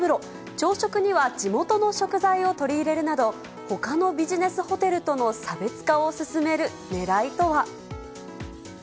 朝食には地元の食材を取り入れるなど、ほかのビジネスホテルとの差別化を進めるねらいとは。